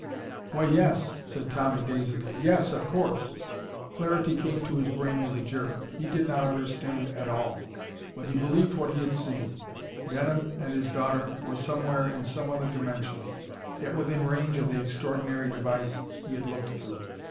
"Why yes...." said Tommy dazedly. "Yes. Of course!" Clarity came to his brain with a jerk. He did not understand at all, but he believed what he had seen. Denham and his daughter were somewhere in some other dimension, yet within range of the extraordinary device he had looked through.